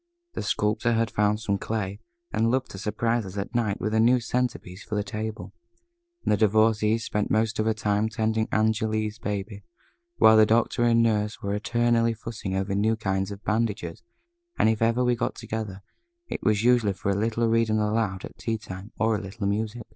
The Sculptor had found some clay, and loved to surprise us at night with a new centre piece for the table, and the Divorcée spent most of her time tending Angéle's baby, while the Doctor and the Nurse were eternally fussing over new kinds of bandages and if ever we got together, it was usually for a little reading aloud at tea time, or a little music.